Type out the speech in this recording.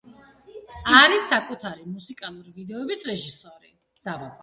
არის საკუთარი მუსიკალური ვიდეოების რეჟისორი.